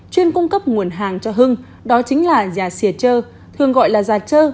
chuyên cung cấp nguồn hàng cho hưng đó chính là già xìa chơ thường gọi là già trơ